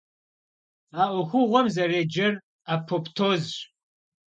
А Ӏуэхугъуэм зэреджэр апоптозщ.